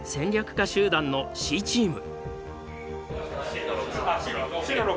家集団のＣチーム。